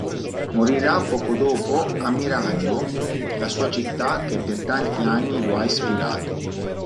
Morirà poco dopo ammirando la sua città che per tanti anni lo ha ispirato.